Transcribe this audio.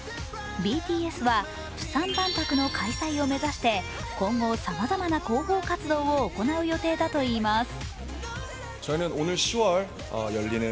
ＢＴＳはプサン万博の開催を目指して今後さまざまな広報活動を行う予定だといいます。